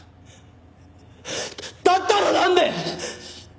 だったらなんで！